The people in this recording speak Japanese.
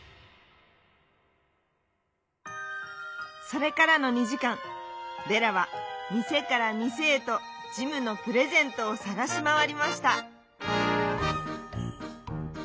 それからの２じかんデラはみせからみせへとジムのプレゼントをさがしまわりました。